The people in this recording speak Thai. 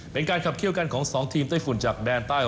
เป็นการขับเคี่ยวกันของ๒ทีมไต้ฝุ่นจากแดนใต้